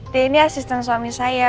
d ini asisten suami saya